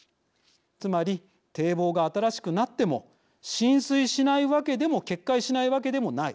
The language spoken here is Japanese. つまり堤防が新しくなっても浸水しないわけでも決壊しないわけでもない。